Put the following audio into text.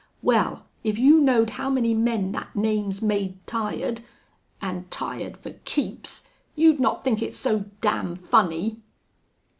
Wal, if you knowed how many men thet name's made tired an' tired fer keeps you'd not think it so damn funny."